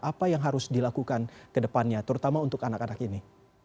apa yang harus dilakukan ke depannya terutama untuk anak anak ini